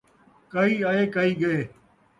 کئی آئے ، کئی ڳئے